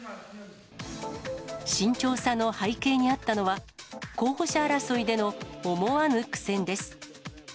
慎重さの背景にあったのは、候補者争いでの思わぬ苦戦です。